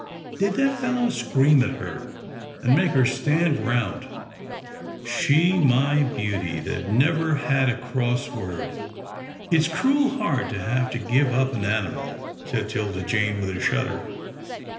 Did that fellow scream at her, and make her stand round ?— she, my beauty, that never had a cross word." " It's cruel hard to have to give up an animal," said 'Tilda Jane with a shudder.